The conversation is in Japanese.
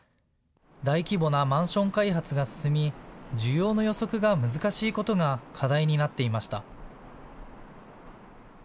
大規模なマンション開発が進み需要の予測が難しいことが課題になっていました。